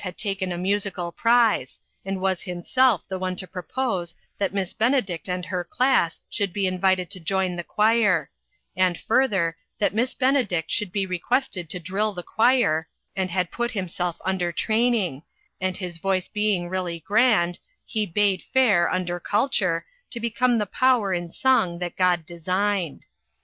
had taken a musical prize, and was himself the one to propose that Miss Benedict and her class should be invited to join the choir, and further, that Miss Benedict should be re quested to drill the choir, and had put himself under training, and his voice being really grand, he bade fair, under culture, to become the power in song that God de signed.